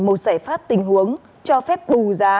một giải pháp tình huống cho phép bù giá